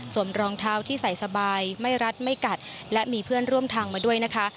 รองเท้าที่ใส่สบายไม่รัดไม่กัดและมีเพื่อนร่วมทางมาด้วยนะคะ